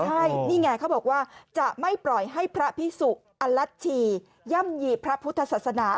ใช่นี่ไงเขาบอกว่าจะไม่ปล่อยให้พระพิสุอลัชชีย่ำหยี่พระพุทธศาสนา